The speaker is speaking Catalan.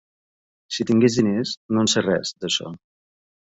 Si tingués diners, no en sé res, d'això.